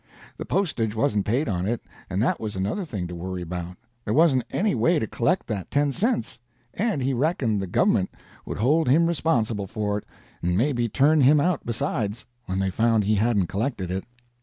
The postage wasn't paid on it, and that was another thing to worry about. There wasn't any way to collect that ten cents, and he reckon'd the gov'ment would hold him responsible for it and maybe turn him out besides, when they found he hadn't collected it.